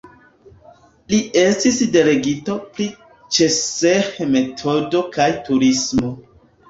Li estis delegito pri Ĉseh-metodo kaj turismo.